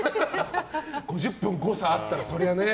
５０分誤差あったら、そりゃね。